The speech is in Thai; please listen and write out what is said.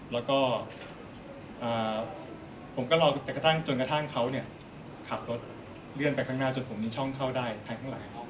แล้วก็ผมก็รอแต่กระทั่งจนกระทั่งเขาเนี่ยขับรถเลื่อนไปข้างหน้าจนผมมีช่องเข้าได้ทางข้างหลัง